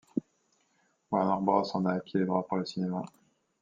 Warner Bros en a acquis les droits pour le cinéma.